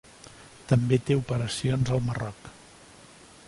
També té operacions al Marroc.